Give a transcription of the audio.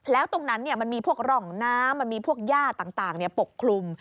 แล้วตรงนั้นมันมีพวกร่องน้ำมันมีพวกย่าต่างปกคลุม